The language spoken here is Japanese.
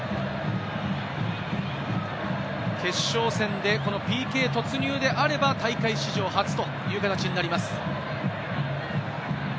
決勝戦でこのＰＫ突入であれば大会史上初という形になります。